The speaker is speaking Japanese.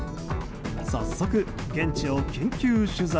早速、現地を緊急取材。